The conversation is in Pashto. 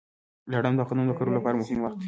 لړم د غنمو د کرلو لپاره مهم وخت دی.